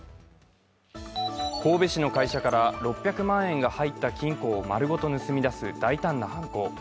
神戸市の会社から６００万円が入った金庫を丸ごと盗み出す大胆な犯行。